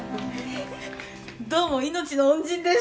どうも命の恩人です。